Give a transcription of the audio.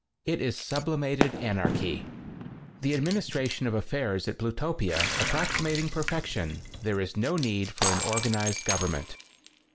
It is sublimated anarchy. The administration of affairs at Plu topia approximating perfection, there is no need for an organized govern ment.